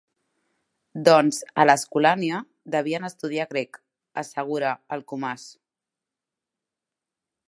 Doncs a l'Escolania devien estudiar grec —assegura el Comas—.